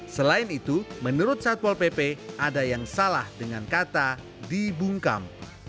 selain itu menurut satpol pp ada yang salah dengan kata dibungkam